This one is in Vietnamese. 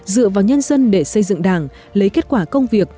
dựa vào nhân dân để xây dựng đảng lấy kết quả công việc